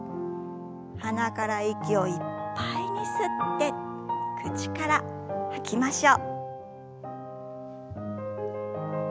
鼻から息をいっぱいに吸って口から吐きましょう。